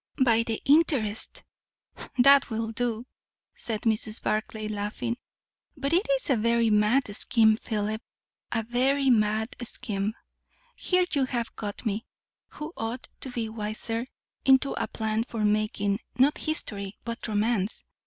"By the interest." "That will do!" said Mrs. Barclay, laughing. "But it is a very mad scheme, Philip a very mad scheme! Here you have got me who ought to be wiser into a plan for making, not history, but romance.